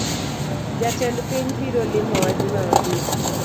Jatend piny biro limowa juma mabiro